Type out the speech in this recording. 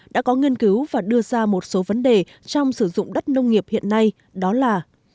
đã có nghiên cứu và đưa ra một số vấn đề trong sử dụng đất nông nghiệp hiện nay đó là